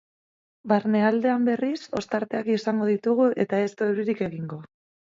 Barnealdean, berriz, ostarteak izango ditugu eta ez du euririk egingo.